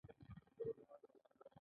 موږ کولای شو دا موضوع د پوهېدو وړ کړو.